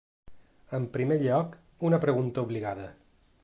En primer lloc, una pregunta obligada.